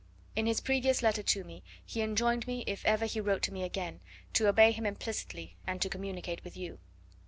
In his previous letter to me he enjoined me, if ever he wrote to me again, to obey him implicitly, and to communicate with you.